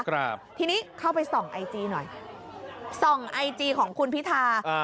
ครับทีนี้เข้าไปส่องไอจีหน่อยส่องไอจีของคุณพิธาอ่า